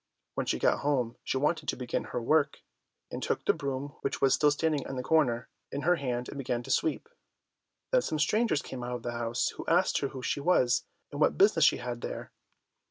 When she got home, she wanted to begin her work, and took the broom, which was still standing in the corner, in her hand and began to sweep. Then some strangers came out of the house, who asked her who she was, and what business she had there?